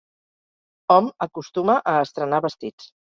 Hom acostuma a estrenar vestits.